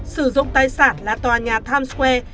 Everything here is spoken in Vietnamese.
sử dụng tài sản là tòa nhà times square